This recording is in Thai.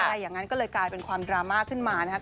อย่างนั้นก็เลยกลายเป็นความดราม่าขึ้นมานะครับ